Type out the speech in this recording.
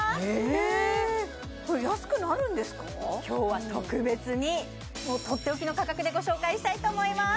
へえー今日は特別にとっておきの価格でご紹介したいと思います